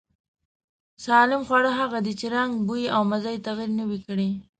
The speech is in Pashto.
سالم خواړه هغه دي چې رنگ، بوی او مزې يې تغير نه وي کړی.